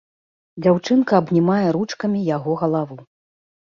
Дзяўчынка абнімае ручкамі яго галаву.